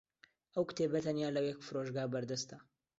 ئەو کتێبە تەنیا لە یەک فرۆشگا بەردەستە.